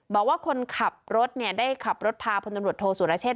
บอกว่าคนขับรถได้ขับรถพาพลตำรวจโทษสุรเชษฐ